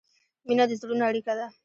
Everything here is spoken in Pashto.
مینه د زړونو اړیکه ده.